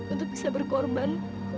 untuk bisa berkorban